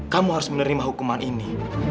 kamu harus menerima hukuman ini